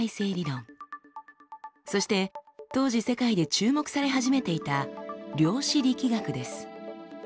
そして当時世界で注目され始めていた「量子力学」です。